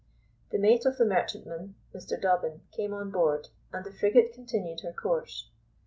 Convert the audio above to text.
The mate of the merchantman, Mr Dobbin, came on board, and the frigate continued her course.